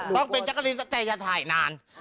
ต้องเป็นจักรีนตั้นตั้งแต่จะถ่ายนาน